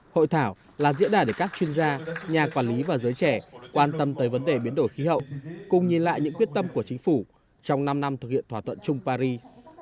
hội thảo là diễn đả để các chuyên gia nhà quản lý và giới trẻ quan tâm tới vấn đề biến đổi khí hậu cùng nhìn lại những quyết tâm của chính phủ trong năm năm thực hiện thỏa thuận chung paris